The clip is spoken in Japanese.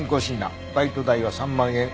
バイト代は３万円。